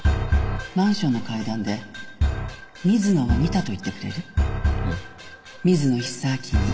マンションの階段で水野を見たと言ってくれる？え？